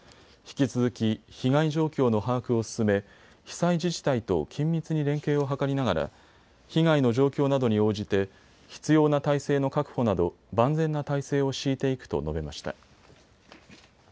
引き続き被害状況の把握を進め、被災自治体と緊密に連携を図りながら被害の状況などに応じて必要な体制の確保など万全な体制を敷いていくと述べました。